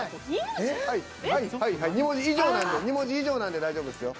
２文字以上なんで大丈夫ですよ。